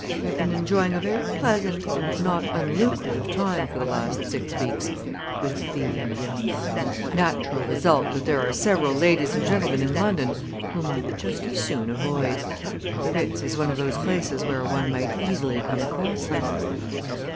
We have been enjoying a very pleasant and not unlucrative time for the last six weeks, with the er natural result that there are several ladies and gentlemen in London whom I would just as soon avoid. The Ritz is one of those places where one might easily come across them."